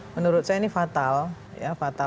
menurut saya ini fatal ya fatal